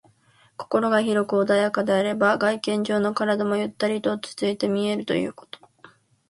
心が広く穏やかであれば、外見上の体もゆったりと落ち着いて見えるということ。